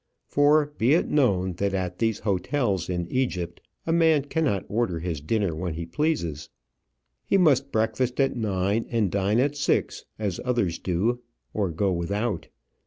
For be it known that at these hotels in Egypt, a man cannot order his dinner when he pleases. He must breakfast at nine, and dine at six, as others do or go without.